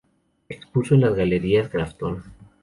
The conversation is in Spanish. Expuso en las Galerías Grafton.